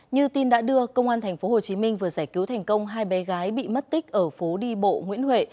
như tin đã đưa công an tp hcm vừa giải cứu thành công hai bé gái bị mất tích ở phố đi bộ nguyễn huệ